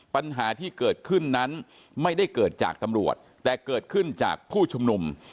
ปัญหาที่เกิดขึ้นนั้นไม่ได้เกิดจากตำรวจแต่เกิดขึ้นจากผู้ชุมนุม